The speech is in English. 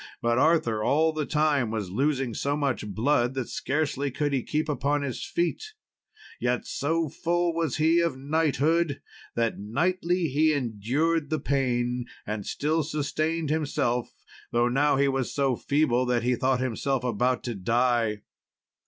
But Arthur all the time was losing so much blood that scarcely could he keep upon his feet yet so full was he of knighthood, that knightly he endured the pain, and still sustained himself, though now he was so feeble that he thought himself about to die.